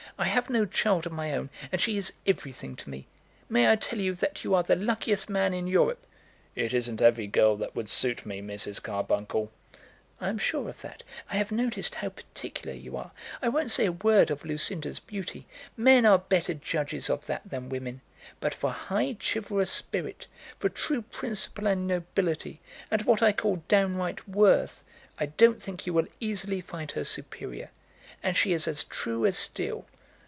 I have no child of my own, and she is everything to me. May I tell you that you are the luckiest man in Europe?" "It isn't every girl that would suit me, Mrs. Carbuncle." "I am sure of that. I have noticed how particular you are. I won't say a word of Lucinda's beauty. Men are better judges of that than women; but for high, chivalrous spirit, for true principle and nobility, and what I call downright worth, I don't think you will easily find her superior. And she is as true as steel."